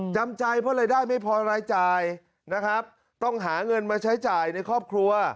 จำใจเพราะรายได้ไม่พอรายจ่ายนะครับต้องหาเงินมาใช้จ่ายในครอบครัว